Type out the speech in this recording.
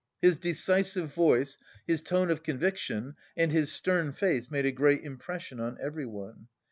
His decisive voice, his tone of conviction and his stern face made a great impression on everyone.